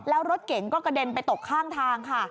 แล้วรถเก๋งก็กระเด็นไปตกข้างทางค่ะ